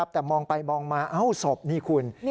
แต่มองไปมองมาเอ้าศพนี่คุณ